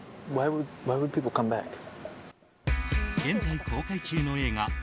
現在公開中の映画